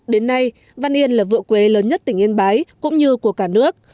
đến nay văn yên là vựa quế lớn nhất tỉnh yên bái cũng như của cả nước